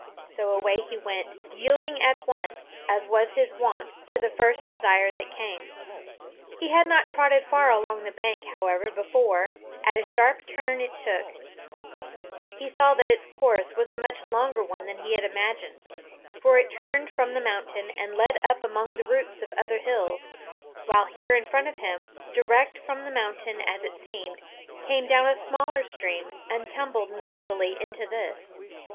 So away he went, yielding at once, as was his wont, to the first desire that came. He had not trotted far along the bank, however, before, at a sharp turn it took, he saw that its course was a much longer one than he had imagined, for it turned from the mountain, and led up among the roots of other hills; while here in front of him, direct from the mountain, as it seemed, came down a smaller stream, and tumbled noisily into this.